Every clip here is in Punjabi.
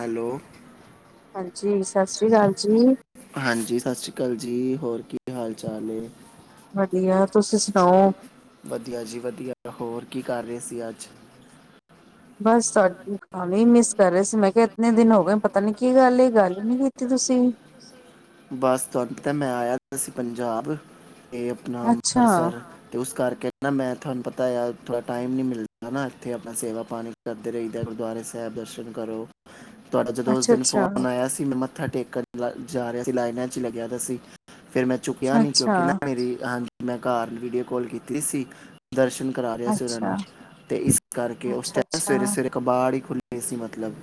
ਹੈਲੋ ਹਾਂਜੀ ਸਤਿ ਸ੍ਰੀ ਅਕਾਲ ਜੀ ਹਾਂਜੀ ਸਤਿ ਸ੍ਰੀ ਅਕਾਲ ਜੀ ਹੋਰ ਕੀ ਹਾਲ ਚਾਲ ਨੇ। ਵਧੀਆ ਤੁਸੀਂ ਸੁਣਾਓ। ਵਧੀਆ ਜੀ ਵਧੀਆ ਹੋਰ ਕੀ ਕਰ ਰਹੇ ਸੀ ਅੱਜ। ਬਸ ਤੁਹਾਡੀ ਕੋਲਿੰਗ ਹੀ ਮਿਸ ਕਰ ਰਹੇ ਸੀ ਮੈਂ ਕਿਹਾ ਇਤਨੇ ਦਿਨ ਹੋ ਗਏ ਪਤਾ ਨੀ ਕੀ ਗੱਲ ਗੱਲ ਹੀ ਨੀ ਕੀਤੀ ਤੁਸੀਂ ਬਸ ਤੁਹਾਨੂੰ ਪਤਾ ਮੈਂ ਆਇਆ ਸੀ ਪੰਜਾਬ। ਇਹ ਆਪਣਾ ਅੱਛਾ ਅੰਬਰਸਰ ਤੇ ਉਸ ਕਰਕੇ ਨਾ ਮੈਂ ਤੁਹਾਨੂੰ ਪਤਾ ਆ। ਥੋੜ੍ਹਾ ਟਾਈਮ ਨੀ ਮਿਲਦਾ ਨਾ ਐਥੇ ਅਪਣਾ ਸੇਵਾ ਪਾਣੀ ਕਰਦੇ ਰਈ ਦੈ, ਗੁਰਦੁਆਰੇ ਸੈਬ ਦਰਸ਼ਨ ਕਰੋ। ਤੁਹਾਡਾ ਜਦੋਂ ਓਸ ਅੱਛਾ ਦਿਨ ਅੱਛਾ ਫੋਨ ਆਯਾ ਸੀ ਮੈਂ ਮੱਥਾ ਟੇਕਣ ਜਾ ਜਾ ਰਿਆ ਸੀ, ਲਾਈਨਾਂ ਚ ਲੱਗਿਆ ਦਾ ਸੀ। ਫੇਰ ਮੈਂ ਚੁਕਿਆ ਨੀ ਕਿਉਂਕਿ ਨਾ ਅੱਛਾ ਮੇਰੀ ਹਾਂਜੀ ਮੈਂ ਘਰ ਵੀਡੀਓ ਕਾਲ ਕੀਤੀ ਸੀ, ਦਰਸ਼ਨ ਕਰਾ ਰਿਆ ਸੀ ਓਨਾਂ ਨੂੰ, ਅੱਛਾ ਅੱਛਾ ਤੇ ਇਸ ਕਰਕੇ ਉਸ ਟੈਮ ਸਵੇਰੇ ਅੱਛਾ ਸਵੇਰੇ ਕਬਾੜ ਹੀ ਖੁੱਲਿਆ ਸੀ ਮਤਲਬ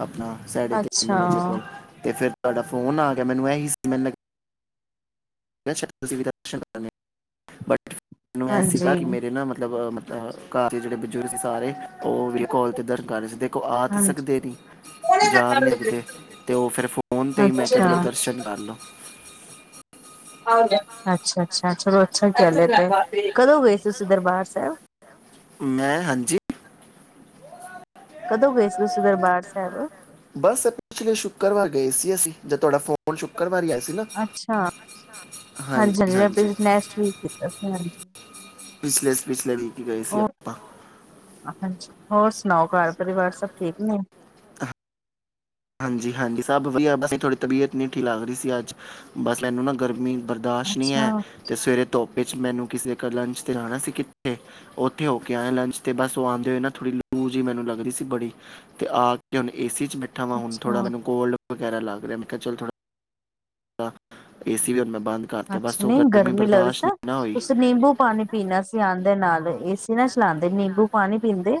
ਆਪਣਾ ਸਾਢੇ ਤਿੰਨ ਵਜੇ ਅੱਛਾ ਕੋਲ ਤੇ ਫੇਰ ਤੁਹੈਡਾ ਫੋਨ ਆ ਗ ਗਿਆ, ਮੈਨੂੰ ਐਹੀ ਸੀ ਮੈਨੂੰ ਲੱਗ ਦਰਸ਼ਨ ਅਸੀਂ ਵੀ ਦਰਸ਼ਨ ਕਰਣੇ, ਬਟ ਮੈਨੂੰ ਐ ਸੀਗਾ ਹਾਂਜੀ ਕਿ ਮੇਰੇ ਨਾ ਮਤਲਬ ਅ ਮਤ ਘ-ਘਾਰ ਜੇੜੇ ਬਜ਼ੁਰਗ ਸੀ ਸਾਰੇ ਓਹ ਵੀ ਕੋਲ 'ਤੇ ਦਰਸ਼ਨ ਕਰ ਰੇ ਸੀ, ਦੇਖੋ ਆ ਤੇ ਹਾਂਜੀ ਸਕਦੇ ਨੀ, ਜਾ ਵੀ ਨੀ ਕਿਦੇ ਤੇ ਔ ਫੇਰ ਫੋਨ 'ਤੇ ਈ ਮੈਂ ਕਿਆ ਚਲੋ ਅੱਛਾ ਅੱਛਾ ਦਰਸ਼ਨ ਕਰ ਲੋ। ਅੱਛਾ ਅੱਛਾ, ਚਲੋ ਅੱਛਾ ਚੱਲ ਐ ਤੇ। ਕਦੋਂ ਗਏ ਤੁਸੀਂ ਦਰਬਾਰ ਸੈਬ? ਮੈਂ ਹਾਂਜੀ। ਕਦੋਂ ਗਏ ਸੀ, ਤੁਸੀਂ ਦਰਬਾਰ ਸੈਬ? ਬਸ ਪਿਛਲੇ ਸ਼ੁੱਕਰਵਾਰ ਗਏ ਸੀ ਅਸੀਂ‌। ਜਦ ਤੁਹਾਡਾ ਫੋਨ ਸ਼ੁੱਕਰਵਾਰ ਵੀ ਆਯ ਅੱਛਾ ਹਾਂਜੀ ਹਾਂਜੀ ਮੈਂ ਪਿਛ ਨੈਕਸਟ ਵੀਕ ਕੀਤਾ ਸੀ, ਹਾਂਜੀ। ਪਿਛਲੇ ਪਿਛਲੇ ਵੀਕ ਹੀ ਗਏ ਸੀ ਔ, ਆਪਾਂ ਹਾਂਜੀ। ਹੋਰ ਸੁ ਸੁਣਾਓ ਘਰ ਪਰਿਵਾਰ ਸਭ ਠੀਕ ਨੇ? ਹਾਂਜੀ ਹਾਂਜੀ, ਸਭ ਵਧੀਆ, ਬਸ ਥੋਡੀ ਤਬੀਅਤ ਨੀ ਠੀ ਲੱਗ ਰੀ ਸੀ ਅੱਜ, ਬਸ ਮੈਨੂੰ ਨਾ ਗਰਮੀ ਬਰਦਾਸ਼ਤ ਨੀ ਹੈ ਅੱਛਾ, ਤੇ ਸਵੇਰੇ ਤੋਪ ਚ ਮੈਨੂੰ ਕਿਸੇ ਦੇ ਘਰ ਲੰਚ ਤੇ ਜਾਣਾ ਸੀ ਕਿੱਥੇ। ਔਥੇ ਹੋ ਕੇ ਆਯਾ ਲੰਚ ਤੇ, ਬਸ ਔ ਆਂਦੇ ਹੋਏ ਨਾ ਥੋੜੀ ਲੂ ਜੀ ਮੈਨੂੰ ਲੱਗਰੀ ਸੀ ਬੜੀ, ਤੇ ਆ ਕੇ ਹੋਣ ਏ ਸੀ ਚ ਬੈ ਠਾ ਵਾ ਹੁਣ ਥੋੜ੍ਹਾ ਅੱਛਾ, ਮੈਨੂੰ ਕੋਲਡ ਵਗੈਰਾ ਲਗ ਰਿਐ, ਮੈਂ ਕਿਆ ਚਲ ਥੋੜਾ ਏਸੀ ਵੀਅਰ ਮੈਂ ਬੰਦ ਕਰਤਾ ਅੱਛਾ, ਬਸ ਉਹ ਨਹੀਂ ਗਰਮੀ ਲੱਗਰੀ ਬਰਦਾਸ਼ਤ ਸੀਨਾ, ਨਹੀਂ ਨਾ ਹੋਈ ਤੁਸੀਂ ਨਿੰਬੂ ਪਾਣੀ ਪੀਣਾ ਸੀ ਆੰਦ ਦੇ ਨਾਲ, ਏਸ ਅਸੀ ਨਾ ਚਲਾਂਦੇ ਨਿੰਬੂ ਪਾਣੀ ਪੀਂਦੇ।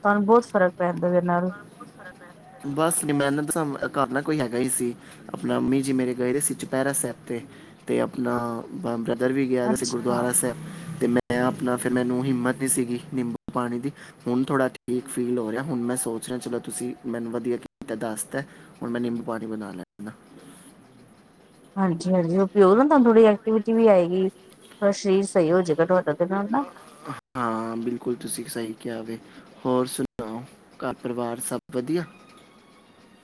ਤੁਹਾਨੂੰ ਬੌਤ ਫ਼ਰਕ ਪੈਂਦ ਤਾ ਬੌਤ ਫਰਕ ਪੈ ਰਿਹੈ, ਬਸ ਨੀ ਮੈਂ ਨਤ ਦੇ ਸਾਬ ਨਾਲ ਐ ਕਰ ਲੈਨ। ਕੋਈ ਹੈਗਾ ਈ ਸੀ, ਅਪਣਾ ਅਮੀ ਜੀ ਮੇਰੇ ਗਏ ਦੇ ਸੀ ਚੁਪੈਰਾ ਸੈਬ ਤੇ, ਤੇ ਅਪਣਾ ਬਾਂਦਰ ਧਰ ਵੀ ਗਿਆ ਸੀ ਅੱਛਾ ਗੁਰਦਆਰਾ ਸੈਬ ਤੇ ਮੈਂ ਮੈਂ ਆਪਣਾ ਫਿਰ ਮੈਨੂੰ ਹਿੰਮਤ ਨੀ ਸੀਗੀ ਨਿੰਬੂ ਪਾਣੀ ਦੀ ਹੁਣ ਥੋੜਾ ਠੀਕ ਫੀਲ ਹੋ ਰਿਹਾ ਹੁਣ ਮੈਂ ਸੋ ਚਲੋ ਤੁਸੀਂ ਮੈਨੂੰ ਵਧੀਆ ਕੀਤਾ ਦਸਤਾ ਹੁਣ ਮੈਂ ਨਿੰਬੂ ਪਾਣੀ ਬਣਾ ਲੈਂਨਾ ਹਾਂਜੀ-ਹਾਂਜੀ ਉਹ [unintelligible] ਤੁਹਾਨੂੰ ਐਕਟੀਵਿਟੀ ਵੀ ਆਏਗੀ। ਤਾਂ ਸਰੀਰ ਸਈ ਹੋਜੇਗਾ ਤੁਹਾਡਾ ਓਦੇ ਨਾਲ ਨਾ ਹਾਂ ਬਿਲਕੁਲ ਤੁਸੀਂ ਸਹੀ ਕਿਹਾ ਵੇ ਹੋਰ ਸੁਣਾਓ ਘਰ ਪਰਿਵਾਰ ਸਭ ਵਧੀਆ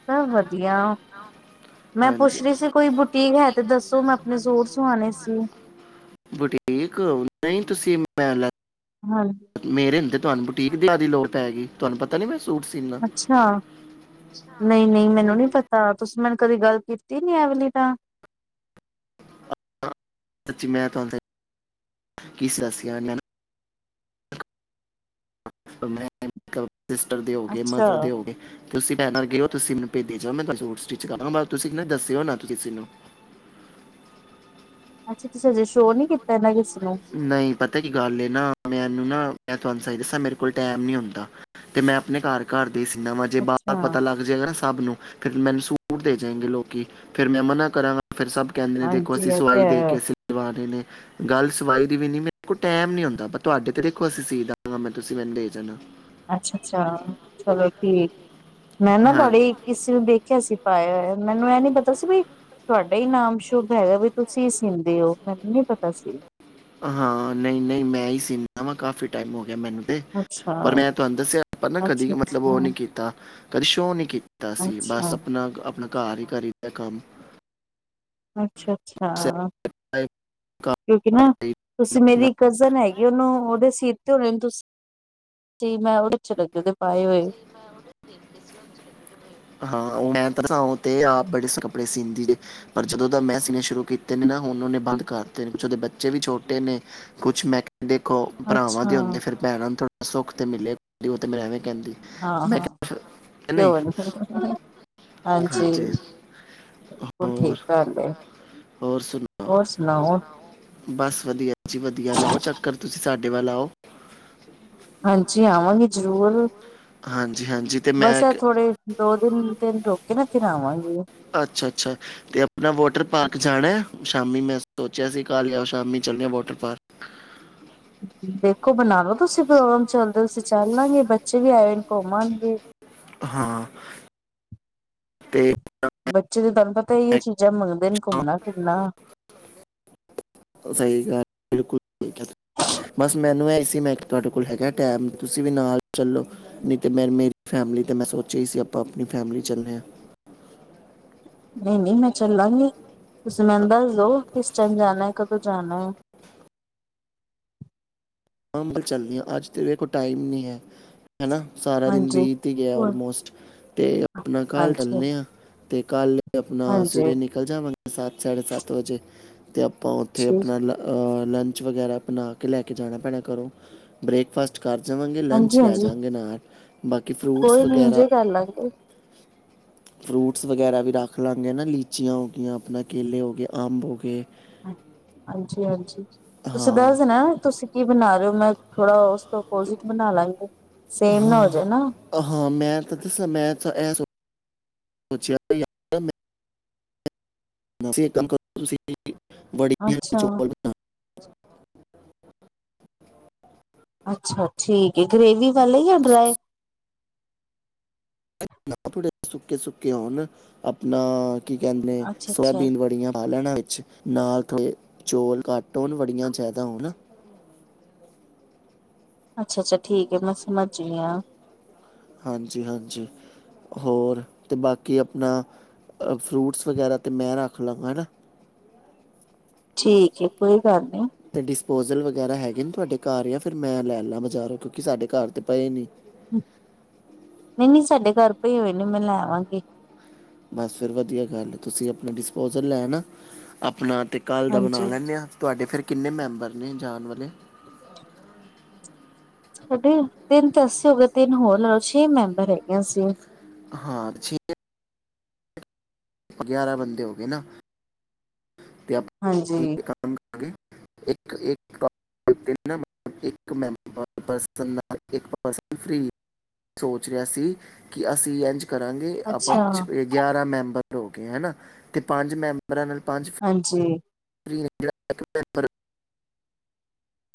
ਸਭ ਵਧੀਆ ਮੈਂ ਹਾਂਜੀ ਪੁੱਛ ਰਹੀ ਸੀ ਕੋਈ ਬੁਟੀਕ ਹੈ ਤੇ ਦੱਸੋ ਮੈਂ ਆਪਣੇ ਸੂਟ ਸਵਾਣੇ ਸੀ ਬੁਟੀਕ ਨਹੀਂ ਤੁਸੀਂ [unintelligible] ਹਾਂਜੀ ਮੇਰੇ ਹੁੰਦੇ ਤੁਹਾਨੂੰ ਬੂ- ਟੀਕ ਦਿਆ ਦੀ ਲੋੜ ਪੈਗੀ ਤੁਹਾਨੂੰ ਪਤਾ ਨੀ ਮੈਂ ਸੂਟ ਸੀਨਾ ਅੱਛਾ, ਨਈ-ਨਈ ਮੈਨੂੰ ਨੀ ਪ ਤਾਂ ਤੁਸੀਂ ਮੈਨੂੰ ਕਦੀ ਗੱਲ ਕੀਤੀ ਨੀ, ਐਵੇਲੀ ਤਾਂ ਸੱਚੀ ਮੈਂ ਤੁਹਾਨੂੰ ਕੀ [unintelligible] ਮੈਂ [unintelligible] ਸਿਸਟਰ ਦੇ ਹੋ ਗਏ, ਮਦਰ ਅੱਛਾ ਦੇ ਹੋ ਗਏ, ਤੁਸੀਂ [unintelligible] ਗਏ ਓ ਤੁਸੀਂ ਭੇਦੀ ਜਾ ਮੈਂ ਤੁਹਾਨੂੰ ਸੂਟ ਸਟਿਚ ਕਰਾਂ, ਤੁਸੀਂ ਨਾ ਦੱਸਿਓ ਨਾ ਕਿਸੇ ਨੂੰ ਅੱਛਾ ਤੁਸੀਂ ਹਜੇ ਸ਼ੋ ਨੀ ਕੀਤਾ [unintelligible] ਨਹੀਂ, ਪਤਾ ਕੀ ਗੱਲ ਏ ਨਾ ਮੈਂ ਮੈਨੂੰ ਨਾ, ਮੈਂ ਤੁਹਾਨੂੰ ਸਹੀ ਦੱਸਾਂ, ਮੇਰੇ ਕੋਲ ਟੈਮ ਨੀ ਹੁੰਦਾ ਤੇ ਮੈਂ ਆਪਣੇ ਘਰ-ਘਰ ਦੇ ਸੀਨਾ ਵਾ ਜੇ ਬਾਹਰ ਅੱਛਾ ਪਤਾ ਲੱਗ ਜਾਏਗਾ ਨਾ ਸਭ ਨੂੰ ਫਿਰ ਮੈਨੂੰ ਸੂਟ ਦੇ ਜਾਏੰਗੇ ਲੋਕੀ, ਫਿਰ ਮੈਂ ਮਨਾ ਕਰਾਂ ਫੇਰ ਸਭ ਕਹਿੰਦੇ ਨੇ ਦੇਖੋ, ਹਾਂਜੀ ਅਸੀਂ ਇਹ ਤੇ ਸਵਾਈ ਦੇ ਹੈ। ਕੇ ਸਵਾਣੇ ਨੇ ਗੱਲ ਸਵਾਈ ਦੀ ਵੀ ਨੀ, ਮੇਰੇ ਕੋਲ ਟੈਮ ਨੀ ਹੁੰਦਾ, ਪਰ ਤੁਹਾਡੇ ਤੇ ਦੇਖੋ ਅਸੀਂ ਸੀ ਦਾਂਗਾ ਮੈਂ, ਤੁਸੀਂ ਮੈਨੂੰ ਦੇ ਜਾਣਾ। ਅੱਛਾ ਅੱਛਾ ਚਲੋ ਠੀਕ ਮੈਂ ਨਾ ਹਾਂ ਤੁਹਾਡੇ ਕਿਸੇ ਨੂੰ, ਦੇਖਿਆ ਸੀ। ਪਾਇਆ ਹੋਇਆ ਮੈਨੂੰ ਇਹ ਨੀ ਪਤਾ ਸੀ ਵੀ, ਤੁਹਾਡਾ ਹੀ ਨਾਮ ਸ਼ੁਭ ਹੈਗਾ ਵੀ, ਤੁਸੀਂ ਈ ਸੀੰਦੇ ਓ, ਮੈਨੂੰ ਨੀ ਪਤਾ ਸੀ। ਹਾਂ ਨਈ-ਨਈ ਮੈਂ ਹੀ ਸੀਨਾ ਵਾ, ਕਾਫੀ ਟਾਈਮ ਮੈਨੂੰ ਤੇ ਅੱਛਾ ਪਰ ਮੈਂ ਤੁਹਾਨੂੰ ਦੱਸਿਆ ਪਰ ਨਾ ਕਦੀ ਅੱਛਾ ਮਤਲਬ, ਅੱਛਾ ਉਹ ਨੀ ਕੀਤਾ ਕਦੀ ਸ਼ੋ ਨੀ ਕੀ ਤਾ ਸੀ ਬਸ ਅੱਛਾ ਆਪਨਾ-ਆਪਨਾ ਘਰ ਈ ਕਰੀ ਦੈ ਕੰਮ। ਅੱਛਾ। ਅੱਛਾ, ਸਾਰੇ ਘਰ ਕਿਉਂਕਿ ਨਾ, ਹੀ ਤੁਸੀਂ ਆਪਣਾ ਮੇਰੀ ਕਜ਼ਨ ਹੈਗੀ, ਉਹਨੂੰ ਉਹਦੇ ਸੀ ਹੋ ਨੂੰ ਤੁਸੀ ਮੈਂ [unintelligible] ਹਾਂ ਓ ਮੈਂ ਤਸਾ ਤੇ ਆਪ ਬੜੇ ਕੱਪੜੇ ਸੀਂਦੀ ਦੇ, ਪਰ ਜਦੋਂ ਦਾ ਮੈਂ ਸੀਣੇ ਸ਼ੁਰੂ ਕੀਤੇ ਨੇ ਨਾ, ਹੁਣ ਉਹਨੇ ਬੰਦ ਕਰ ਤੇ ਨੇ ਕੁੱਛ ਉਹਦੇ ਬੱਚੇ ਵੀ ਛੋਟੇ ਨੇ ਕੁਛ ਮੈਂ ਦੇਖੋ ਭਰਾਵਾਂ ਅੱਛਾ ਦੇ ਹੁੰਦੇ, ਫੇਰ ਭੈਣਾਂ ਨੂੰ ਥੋੜ੍ਹਾ ਸੁੱਖ ਤੇ ਮਿਲੇ ਉਹ ਤੇ ਮੈਂ ਐਵੇਂ ਕਹਿੰਦੀ ਹਾਂ, ਮੈਂ ਹਾਂ ਕਿਹਾ ਨਹੀਂ ਕਿਓ ਨੀ ਹਾਂਜੀ ਬਿਲਕੁਲ ਹੋਰ ਠੀਕ ਗੱਲ ਹੋਰ ਸੁਣਾਓ ਹੈ--ਹੋਰ ਸੁਣਾਓ ਬਸ ਵਧੀਆ ਜੀ ਵਧੀਆ ਲਾਓ ਚੱਕਰ ਤੁਸੀਂ ਸਾਡੇ ਵੱਲ ਆਓ ਹਾਂਜੀ। ਆਵਾਂਗੇ ਜ਼ਰੂਰ ਹਾਂਜੀ-ਹਾਂਜੀ ਤੇ ਬਸ, ਮੈਂ ਆ ਕ ਥੋੜੇ ਦੋ ਦਿਨ ਦਿਨ ਰੋਕੇ ਨਾ ਫਿਰ ਆਵਾਂਗੇ ਅੱਛਾ, ਅੱਛਾ। ਤੇ ਆਪਣਾ ਵਾਟਰ ਪਾਰਕ ਜਾਣਾ? ਸ਼ਾਮੀ ਮੈਂ ਸੋਚਿਆ ਸੀ, ਘਰ ਜਾਓ ਸ਼ਾਮੀ ਚੱਲਿਆ ਵਾਟਰ ਪਾਰਕ ਦੇਖੋ ਬਣਾ ਲੋ ਤੁਸੀਂ ਪ੍ਰੋਗਰਾਮ ਚੱਲਦੇ ਹੋ ਤੁਸੀਂ ਚੱਲ ਲਾਂਗੇ ਬੱਚੇ ਵੀ ਆਏ ਨੇ ਘੁੰਮਣਗੇ ਹਾਂ ਤੇ ਬੱਚੇ ਤੇ ਤੁਹਾਨੂੰ ਪਤਾ ਹੀ ਉਹ ਮੈਂ ਚੀਜ਼ਾਂ ਮੰਗਦੇ ਨੇ ਕਿਹਾ ਘੁੰਮਣਾ, ਫਿਰਨਾ ਸਹੀ ਗੱਲ ਬਕੁ ਬਸ ਮੈਨੂੰ ਐ ਸੀ ਮੈਂ ਤੁਹਾਡੇ ਕੋਲ ਹੈਗਾ ਟਾਈਮ ਤੁਸੀਂ ਵੀ ਨਾਲ ਚੱਲੋ ਨਹੀਂ ਤੇ ਮੇਰੀ ਫੈਮਿਲੀ ਤੇ ਮੈਂ ਸੋਚਿਆ ਹੀ ਸੀ ਆਪਾਂ ਆਪਣੀ ਫੈਮਲੀ ਚੱਲੇ ਹਾਂ ਨਹੀਂ, ਨਹੀਂ। ਮੈਂ ਚੱਲਾਂਗੀ। ਤੁਸੀਂ ਮੈੂੰ ਦੱਸ ਦਉ ਕਿਸ ਟਾਈਮ ਜਾਣਾ ਹੈ ਕਦੋਂ ਜਾਣਾ ਹੈ ਹਾਂ ਵੱਲ ਚੱਲਦੀ ਹ ਅੱਜ ਤੇਰੇ ਕੋਲ ਟਾਈਮ ਨਹੀਂ ਹੈ ਹਨਾ ਸਾਰਾ ਦਿਨ ਹਾਂਜੀ ਬੀਜਤੀ ਗਿਆ ਆਲਮੋਸਟ ਤੇ ਆਪਣਾ ਘਰ ਹਾਂਜੀ ਡਲਣੇ ਆ ਅਤੇ ਕੱਲ੍ਹ ਆਪਣਾ ਹਾਂਜੀ ਸਵੇਰੇ ਨਿਕਲ ਜਾ ਮੈਂ ਸਤ ਸਾਢੇ ਸੱਤ ਵਜੇ ਤੇ ਆਪਾਂ ਉੱਥੇ ਠੀਕ ਆਪਣਾ ਲ ਲੰਚ ਵਗੈਰਾ ਬਣਾ ਕੇ ਲੈ ਕੇ ਜਾਣਾ ਪੈਣਾ ਕਰੋ ਬਰੇਕਫਾਸਟ ਕਰ ਜਾਵਾਂਗੇ ਲੰਚ ਹਾਂਜੀ ਲੈ ਹਾਂਜੀ ਜਾਵਗੇ ਨਾਲ ਬਾਕੀ ਫਰੂਟਸ ਕੋਈ ਨੀ ਵਗੈਰਾ ਇੰਜੇ ਕਰ ਲਾਂਗੇ ਫਰੂਟਸ ਵਗੈਰਾ ਵੀ ਰੱਖ ਲਾਂਗੇ ਨਾ ਲੀਚੀਆਂ ਹੋ ਗਈਆਂ ਆਪਣਾ ਕੇਲੇ ਹੋ ਗਏ, ਅੰਬ ਹੋ ਗਏ ਹਾਂਜੀ, ਹਾਂਜੀ। ਤੁਸੀਂ ਹਾਂ ਦੱਸ ਦੇਣਾ ਤੁਸੀਂ ਕੀ ਬਣਾ ਰਹੇ ਹੋ ਮੈਂ ਥੋੜਾ ਓਪੋਜਿਟ ਬਣਾ ਲਾਂਗੇ ਸੇਮ ਨਾ ਹੋ ਹਾਂ ਜਾਏ ਹਾਂ ਮੈਂ ਤਾਂ ਦੱਸਾਂ ਮੈਂ [inaudible] ਵੜੀਆਂ ਅੱਛਾ ਚੌਲ ਬਣਾ- ਅੱਛਾ। ਠੀਕ ਹੈ। ਗਰੇੇਵੀ ਗਲੇਵੀ ਵਾਲੀ ਕੇ ਡਰਾਈ ਨਾੜ ਸੁੱਕੇ, ਸੁੱਕੇ ਉਣ ਆਪਣਾ ਕੀ ਕਹਿੰਦੇ ਨੇ ਅੱਛਾ ਅੱਛਾ ਸੋਇਬੀ ਵੱਡੀਆਂ ਪਾ ਲੈਣਾ ਨਾਲ ਥੋੜੇਚੌਲ ਘੱਟ ਹੋਣ ਬੜੀਆਂ ਜ਼ਿਆਦਾ ਹੋਣ ਅੱਛਾ ਅੱਛਾ ਠੀਕ ਹੈ ਮੈਂ ਸਮਝ ਗਈ ਹਾਂ ਹਾਂਜੀ ਹਾਂਜੀ ਹੋਰ ਅਤੇ ਬਾਕੀ ਆਪਣਾ ਫਰੂਟਸ ਵਗੈਰਾ ਤਾਂ ਮੈਂ ਰੱਖ ਲਵਾਂ ਹੈ ਨਾ ਠੀਕ ਹੈ ਕੋਈ ਗੱਲ ਨਹੀਂ ਅਤੇ ਡਿਸਪੋਜਲ ਵਗੈਰਾ ਹੈਗੇ ਨਹੀਂ ਤੁਹਾਡੇ ਘਰ ਜਾਂ ਫਿਰ ਮੈਂ ਲੈ ਲਾ ਬਾਜ਼ਾਰੋਂ ਕਿਉਂਕਿ ਸਾਡੇ ਘਰ ਤਾਂ ਪਏ ਨੇ [unintelligible] ੇ ਪਏ ਹੋਏਹੋਏ ਨ ਮੈਂ ਲੈਵਾਂਗੀ ਬਸ ਫਿਰ ਵਧੀਆ ਗੱਲ ਹੈ ਤੁਸੀਂ ਆਪਣਾ ਡਿਸਪੋਜ਼ਲ ਲੈ ਨਾ ਆਪਣਾ ਅਤੇ ਕਾਲ ਦਾ ਬਣਾ ਹਾਂਜੀ ਲੈਂਦੇ ਹਾਂ ਤੁਹਾਡੇ ਫਿਰ ਕਿੰਨੇ ਮੈਂਬਰ ਨੇ ਜਾਣ ਵਾਲੇ ਸਾਡੇ ਤਿੰਨ ਤਾਂ ਅਸੀ ਹੋ ਗਏ ਤਿੰਨ ਹੋਰ ਛੇ ਮੈਂਬਰ ਹੈਗੇੀਆਂ ਸੀ ਹਾਂ ੀ ਗਿਆਰਾਂ ਬੰਦੇ ਹੋ ਗਏ ਨਾ ਤੇ ਅਪਾ ਹਾਂਜੀ [unintelligible] [unintelligible] ਸੋਚ ਰਿਹਾ ਸੀ ਕਿ ਅਸੀਂ ਐਂਜ ਕਰਾਂਗੇ ਆਪਾਂ ਅੱਛਾ ਗਿਆਰਾਂ ਮੈਂਬਰ ਹੋ ਗੇ ਹਨਾ ਤੇ ਪੰਜ ਮੈਂਬਰਾਂ ਨਾਲ ਹਾਂਜੀ [unintelligible]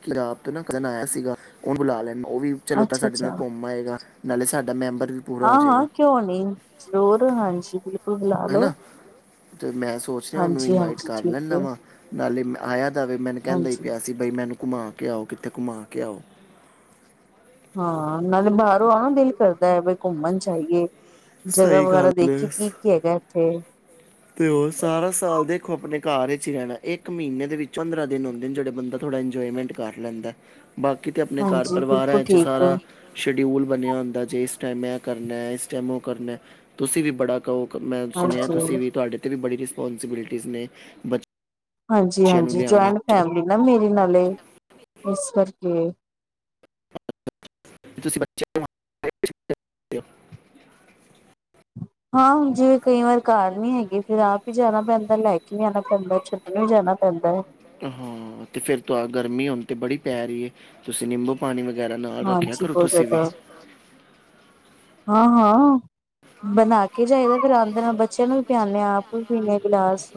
ਪੰਜਆਬ ਤੋਂ ਨਾ ਕਜ਼ਨ ਆਇਆ ਸੀਗਾ ਉਂਨੂੰ ਬੁਲਾ ਲੈਂਦਾ ਉਹ ਵੀ ਚਲੋ ਤਾਂ ਅੱਛਾ ਸਾਡੇ ਨਾਲ ਅੱਛਾ ਘੁੰਮ ਆਏਗਾ ਨਾਲੇ ਸਾਡਾ ਮੈਂਬਰ ਵੀ ਪੂਰਾ ਹਾਂ ਹੋ ਜਾਏਗਾ ਹਾਂ ਕਿਉਂ ਨੀ ਜ਼ਰੂਰ ਹਾਂਜੀ ਬਿਲਕੁਲ ਹੈਲੋ ਅਤੇ ਮੈਂ ਸੋਚ ਰਿਹਾ ਉਹਨੂੰ ਇਨਵਾਈਟ ਕਰ ਠੀਕ ਹੈ ਲੈਂਦਾ ਵਾਂ ਨਾਲੇ ਮੈ ਆਇਾ [unintelligible] ਮੈਨ ਕਹਿੰਦਾ ਹੀ ਹਾਂਜੀ ਪਿਆ ਸੀ ਬਈ ਮੈਨੂੰ ਘੁੰਮਾ ਕੇ ਆਓ ਕਿੱਥੇ ਘੁੰਮਾ ਕੇ ਆਓ ਹਾਂ ਨਾਲੇ ਬਾਹਰੋਂ ਆ ਨਾ ਦਿਲ ਕਰਦਾ ਹੈ ਵੀ ਘੁੰਮਣ ਜਾਈਏ ਜਗ੍ਹਾ ਸਹੀ ਗੱਲ ਵਗੈਰਾ ਦੇਖੀ ਹੈ ਕੀ ਕੀ ਹੈਗਾ ਇੱਥੇ ਤੇ ਉਹ ਸਾਰਾ ਸਾਲ ਦੇਖੋ ਆਪਣੇ ਘਰ ਵਿਚ ਹੀ ਰਹਿਣਾ ਇੱਕ ਮਹੀਨੇ ਦੇ ਵਿੱਚ ਚ ਪੰਦਰਾਂ ਦਿਨ ਹੁੰਦੇ ਨੇ ਜਿਹੜੇ ਬੰਦਾ ਥੋੜਾ ਇੰਜੋਏ ਇੰਜੋਏਮੈਂਟ ਕਰ ਲੈਂਦਾ ਬਾਕੀ ਤਾਂ ਆਪਣੇ ਘਰ ਹਾਂਜੀ ਬਿਲਕੁਲ ਪਰਿਵਾਰਾਂ 'ਚ ਠੀਕ ਸਾਰਾ ਸ਼ਡਿਊਲ ਬਣਿਆ ਹੁੰਦਾ ਜਿਸ ਇਹ ਕਰਨਾ ਹੈ ਇਸ ਟਾਈਮ ਉਹ ਕਰਨਾ ਤੁਸੀਂ ਵੀ ਬੜਾ ਕਹੋ ਮੈਂ ਸੁਣਿਆ ਹਾਂਜੀ ਤੁਸੀਂ ਵੀ ਵੀ ਬੜੀ ਰਿਸਪੋਂਸਿਬਿਲਿਟੀਜ਼ ਨੇ ਬਚ ਹਾਂਜੀ ਹਾਂਜੀ ਜੁਆਇੰਟ ਫੈਮਲੀ ਨਾ ਮੇਰੇ ਨਾਲ ਲੋ ਇਸ ਕਰਕੇ [unintelligible] ਹਾਂ ਹੁਣ ਜਿਵੇ ਕਈ ਵਾਰ ਘਰ ਨੀ ਹੈਗੇ ਫਿਰ ਆਪ ਈ ਜਾਨਾ ਪੈਂਦਾ ਲੈਕੇ ਵੀ ਆਨਾ ਪੈਂਦਾ ਛੱਡਣ ਵੀ ਜਾਣਾ ਪੈਂਦਾ ਏ ਹਾਂ ਤੇ ਫਰ ਤਾ ਗਰਮੀ ਹੁਨ ਤੇ ਬੜੀ ਪੈ ਰਹੀ ਏ ਤੁਸੀਂ ਨਿੰਬੂ ਪਾਨੀ ਵਗੈਰਾ ਨਾਲ ਰੱਖਿਆ ਹਾਂਜੀ ਕਰੋ ਬਹੁਤ ਤੁਸੀਂ ਵੀ ਜ਼ਿਆਦਾ ਹਾਂ ਹਾਂ ਬਨਾ ਕੇ ਜਾਈਦਾ ਫਿਰ ਆਉਂਦੇ ਨੁ ਬੱਚਿਆਂ ਨੂੰ ਵੀ ਪਿਆਨੇ ਆ ਆਪ ਵੀ ਪੀਂਦੇ ਗਿਲਾਸ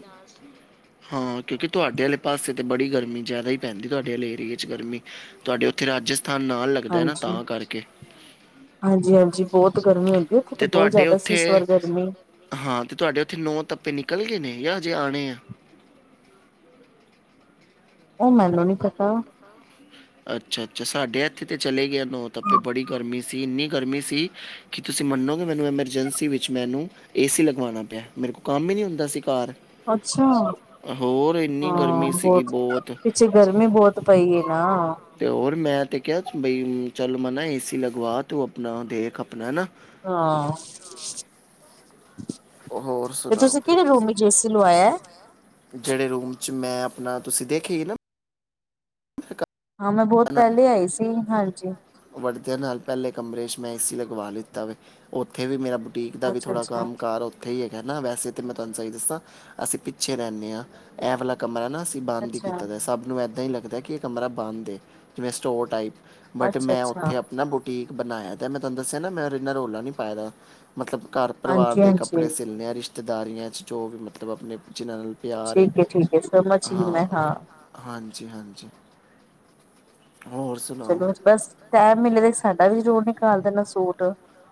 ਹਾਂ ਕਿਉਂਕਿ ਤੁਆਡੇ ਅਲੇ ਪਾਸੇ ਤੇ ਬੜੀ ਗਰਮੀ ਜ਼ਿਆਦਾ ਈ ਪੈਂਦੀ ਤੁਆਡੇ ਅਲੇ ਏਰੀਏ ਚ ਗਰਮੀ ਤੁਆਡੇ ਉੱਥੇ ਰਾਜਸ ਥਾਨ ਨਾਲ ਲੱਗਦਾ ਏਨਾ ਹਾਂਜੀ ਤਾਂ ਕਰਕੇ ਤੇ ਹਾਂਜੀ ਬਹੁਤ ਗਰਮੀ ਹੁੰਦੀ ਉੱਥੇ ਹਾਂਜੀ, ਤਾਂ ਤੇ ਬਹੁਤ ਤੁਹਾਡੇ ਜ਼ਿਆਦਾ ਸੀ ਇਸ ਵਾਰ ਗਰਮੀ ਉਥੇ ਨੋ ਤਪੈ ਨਿਕਲ ਗਏ ਨੇ ਯਾ ਜੇ ਆਣੇ ਆ ਉਹ ਮੈਨੂੰ ਨੀ ਪਤਾ ਅੱਛਾ ਅੱਛਾ ਸਾਡੇ ਇੱਥੇ ਤਾਂ ਚਲੇ ਗਏ ਨੌ ਤੱਪੇ ਬੜੀ ਗਰਮੀ ਸੀ ਇੰਨੀ ਗਰਮੀ ਸੀ ਕੀ ਤੁਸੀਂ ਮੱਨੋਗੇ ਮੈਨੂੰ ਐਮਰਜੈਂਸੀ ਵਿੱਚ ਮੈਨੂੰ ਏਸੀ ਲਗਵਾਨਾਂ ਪਿਆ ਮੇਰੇ ਕੋ ਕਾਮ ਈ ਨੀ ਹੁੰਦਾ ਸੀ ਘਾਰ ਅੱਛਾ ਗਰਮੀ ਹਾਂ ਸੀਗੀ ਬਹੁਤ ਪਿੱਛੇ ਗਰਮੀ ਬਹੁਤ ਪਈ ਏ ਨਾ ਤੇ ਹੋਰ ਮੈਂ ਤੇ ਕਿਆ ਬਈ ਚਲ ਮਨਾ ਏ ਸੀ ਲਗਵਾ ਤੂ ਆਪਣਾ ਦੇਖ ਆਪਣਾ ਨਾ ਹਾਂ ਹੋਰ ਤੇ ਸੁਨਾਓ ਤੁਸੀਂ ਕਿਹੜੇ ਰੂਮ ਵਿੱਚ ਏਸੀ ਲਵਾਇਆ ਜੇਡੇ ਰੂਮ ਚ ਮੈਂ ਅਪਣਾ ਤੁਸੀ ਦੇਖੀ ਏ ਨਾ ਹਾਂ ਮੈਂ ਬਹੁਤ ਪਹਿਲੇ ਆਈ ਸੀ ਹਾਂਜੀ [unintelligible] ਨਾਲ ਪਹਿਲੇ ਕਮਰੇ ਚ ਮੈਂ ਏ ਸੀ ਲਗਵਾ ਲਿੱਤਾ ਵ ਉੱਥੇ ਵੀ ਮੇਰਾ ਬੁਟੀਕ ਦਾ ਵੀ ਅੱਛਾ ਥੋੜਾ ਅੱਛਾ ਕੰਮ ਕਾਰ ਉੱਥੇ ਈ ਹੈਗਾ ਨਾ ਵੈਸੇ ਮੈਂ ਤੁਹਾਨੂੰ ਸਹੀ ਦੱਸਾਂ ਅਸੀਂ ਪਿੱਛੇ ਰਹਿੰਨੇ ਆ ਐ ਵਾਲਾ ਕਮਰਾ ਨਾ ਅਸੀ ਬੰਦ ਈ ਅੱਛਾ ਕੀਤਾ ਦ ਸਭ ਨੂੰ [unintelligible] [unintelligible] ਲੱਗਦਾ ਕਿ ਇਹ ਕਮਰਾ ਬੰਦ ਏ ਜਿਵੇਂ ਸਟੋਰ ਟਾਈਪ ਤੇ ਅੱਛਾ ਮੈਂ ਅੱਛਾ ਉੱਥੇ ਆਪਣਾ ਬੂਟੀਕ ਬਣਾਇਆ ਦ ਮੈਂ ਤਹਾਨੂੰ ਦੱਸਿਆ ਨਾ ਮੈਂ ਏਨਾ ਰੋਲਾ ਨੀ ਪਾਇਆ ਦਾ ਮਤਲਬ ਘਰ ਪਰਵਾਰ ਹਾਂਜੀ ਦੇ ਕੱਪੜੇ ਹਾਂਜੀ ਸਿਲਣੇ ਆ ਰਿਸ਼ ਰਿਸ਼ਤੇਦਾਰੀਆਂ ਚ ਜੋ ਵੀ ਮਤਬ ਆਪਣੇ ਜਿਨ੍ਹਾਂ ਨਲ ਪਿਆਰ ਏ ਠੀਕ ਹੈ ਠੀਕ ਹੈ ਸਮਝ ਗਈ ਹਾਂ ਮੈਂ ਹਾਂਜੀ ਹਾਂਜੀ ਹੋਰ ਸੁਣਾਓ [unintelligible] ਟੈਮ ਮਿਲੇ ਦੇ ਸਾਡਾ ਵੀ [unintelligible] ਨਿਕਾਲ ਦੇਨਾ ਸੂਟ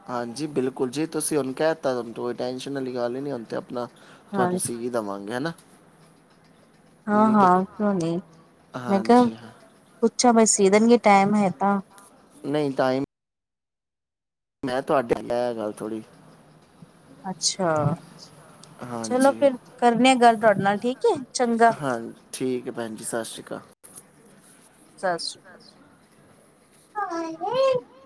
ਹਾਂਜੀ ਬਿਲਕੁਲ ਜੀ ਤੁਸੀਂ ਹੁਨ ਕਹਿਤਾ ਤੇ ਟੈਂਸ਼ਨ ਅਲੀ ਗੱਲ ਈ ਨੀ ਹੁਨ ਤੇ ਆਪਣਾ ਤੁਹਾਨੂੰ ਹਾਂਜੀ ਸੀਵੀ ਦਾਵਾਂਗੇ ਹਨਾ ਹਾਂ ਹਾਂ ਕਿਉਂ ਨੀ ਮੈਂ ਕਿਆ ਹਾਂਜੀ ਹਾਂ ਪੁੱਛਾ ਬਈ ਸੀ ਦੇਨ ਗੇ ਟੈਮ ਹੈ ਤਾਂ ਨਹੀਂ ਟਾਈਮ ਮੈਂ ਤੁਹਾਡੇ [unintelligible] ਗੱਲ ਥੋੜ੍ਹੀ ਅੱਛਾ ਹਾਂ ਚਲੋ ਹਾਂਜੀ ਫਿਰ ਕਰਨੇ ਆ ਗੱਲ [unintelligible] ਹਾਂ ਠੀਕ ਹੈ ਭੈਣ ਜੀ ਸਤਿ ਸ਼੍ਰੀ ਅਕਾਲ ਸਤਿ ਸ਼੍ਰੀ [unintelligible] [inaudible]